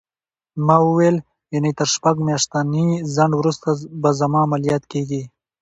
ما وویل: یعنې تر شپږ میاشتني ځنډ وروسته به زما عملیات کېږي؟